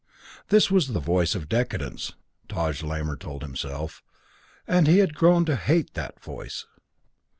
This was the voice of decadence, Taj Lamor told himself; and he had grown to hate that voice.